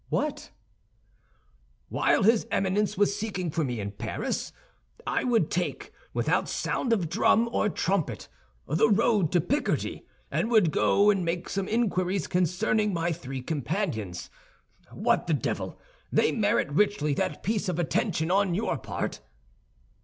"What?" "While his Eminence was seeking for me in Paris, I would take, without sound of drum or trumpet, the road to Picardy, and would go and make some inquiries concerning my three companions. What the devil! They merit richly that piece of attention on your part."